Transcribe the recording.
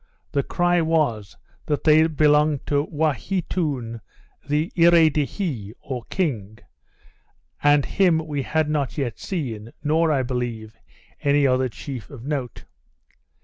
The cry was, that they belonged to Waheatoun the Earee de hi, or king, and him we had not yet seen, nor, I believe, any other chief of note.